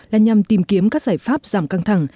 là nhằm tìm kiếm các giải pháp giảm căng thẳng